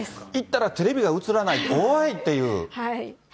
行ったらテレビが映らない、おーいっていう。